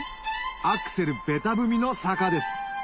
アクセルベタ踏みの坂です